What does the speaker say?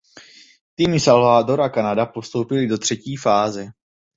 Týmy Salvador a Kanada postoupily do třetí fáze.